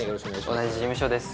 同じ事務所です